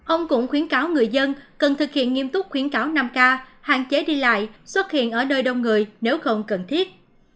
ông cũng khuyến cáo người dân cần thực hiện nghiêm túc khuyến cáo năm k hạn chế đi lại xuất hiện ở nơi đông người nếu không cần thiết